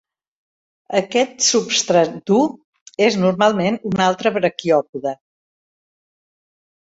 Aquest substrat dur és normalment un altre braquiòpode.